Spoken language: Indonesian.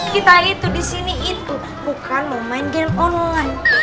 kita itu di sini itu bukan mau main game online